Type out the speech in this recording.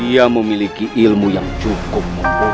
ia memiliki ilmu yang cukup